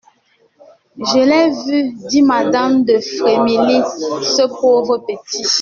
Je l'ai vu, dit madame de Frémilly, ce pauvre petit.